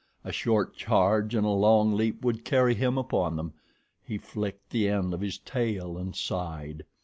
A short charge and a long leap would carry him upon them. He flicked the end of his tail and sighed.